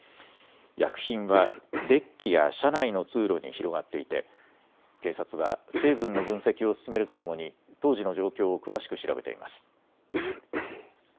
薬品はデッキや車内の通路に広がっていて警察は成分の分析を進めるとともに当時の状況を詳しく調べています。